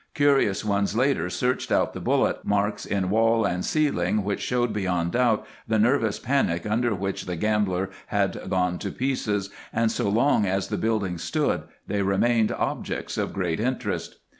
Curious ones later searched out the bullet marks in wall and ceiling which showed beyond doubt the nervous panic under which the gambler had gone to pieces, and so long as the building stood they remained objects of great interest.